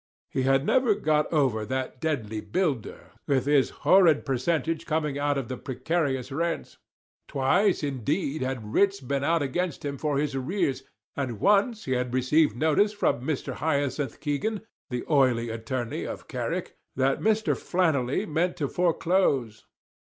He had never got over that deadly builder, with his horrid percentage coming out of the precarious rents; twice, indeed, had writs been out against him for his arrears, and once he had received notice from Mr. Hyacinth Keegan, the oily attorney of Carrick, that Mr. Flannelly meant to foreclose.